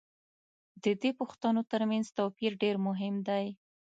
د دې پوښتنو تر منځ توپیر دېر مهم دی.